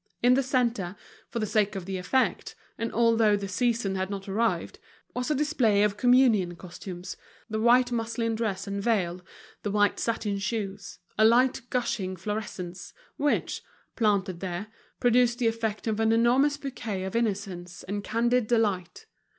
In the centre, for the sake of the effect, and although the season had not arrived, was a display of communion costumes, the white muslin dress and veil, the white satin shoes, a light gushing florescence, which, planted there, produced the effect of an enormous bouquet of innocence and candid delight.